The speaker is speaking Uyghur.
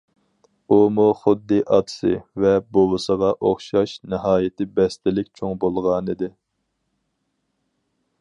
ئۇمۇ خۇددى ئاتىسى ۋە بوۋىسىغا ئوخشاش ناھايىتى بەستلىك چوڭ بولغانىدى.